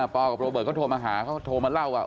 กับโรเบิร์ตเขาโทรมาหาเขาโทรมาเล่าว่า